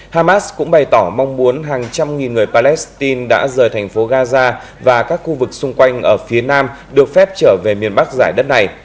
hamas cũng bày tỏ mong muốn hàng trăm nghìn người palestine đã rời thành phố gaza và các khu vực xung quanh ở phía nam được phép trở về miền bắc giải đất này